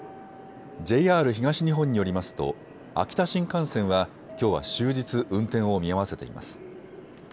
ＪＲ東日本によりますと秋田新幹線はきょうは終日運転を見合わせています。